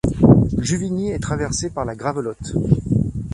Juvigny est traversé par la Gravelotte.